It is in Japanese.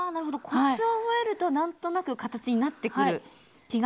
コツを覚えると何となく形になってくる気がしますね。